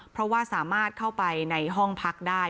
เพราะว่าสามารถเข้าไปในห้องพักได้